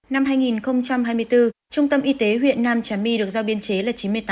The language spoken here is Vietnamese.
năm hai nghìn hai mươi bốn trung tâm y tế huyện nam trà my được giao biên chế là chín mươi tám